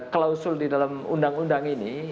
klausul di dalam undang undang ini